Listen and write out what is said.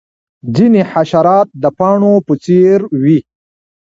ځینې حشرات د پاڼو په څیر وي